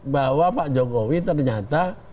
bahwa pak jokowi ternyata